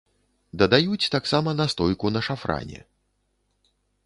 Дадаюць таксама настойку на шафране.